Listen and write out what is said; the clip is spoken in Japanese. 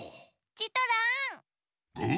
チトラン！